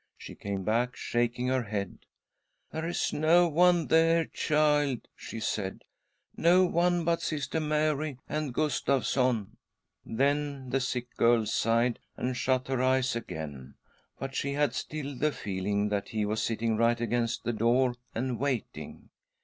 She came back, shaking her head. ■• 104 THY SOUL SHALL BEAR WITNESS ! "There is no one there, child," she said; "no one but Sister Mary and Gustavsson." Then the sick girl sighed and shut her eyes again ; but she had still the feeling that he was sitting right against the door and waiting.